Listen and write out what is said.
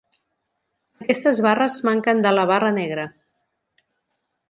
Aquestes barres manquen de la barra negra.